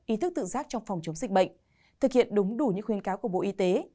ý thức tự giác trong phòng chống dịch bệnh thực hiện đúng đủ những khuyên cáo của bộ y tế